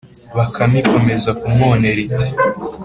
bakame ikomeza kumwonera iti.